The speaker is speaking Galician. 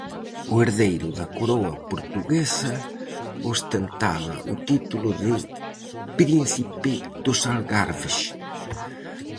O herdeiro da Coroa portuguesa ostentaba o título de Príncipe dos Algarves.